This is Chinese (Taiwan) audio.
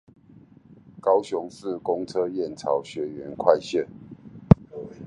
高雄市公車燕巢學園快線